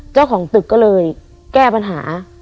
เจ้าของตึกก็เลยแก้ปัญหา